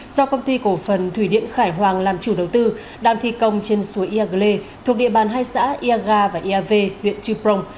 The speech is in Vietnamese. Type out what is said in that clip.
do công ty cổ phần thủy điện khải hoàng làm chủ đầu tư đàm thi công trên suối iagley thuộc địa bàn hai xã iaga và iave huyện chuprong